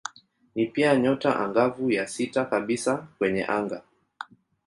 Ni pia nyota angavu ya sita kabisa kwenye anga.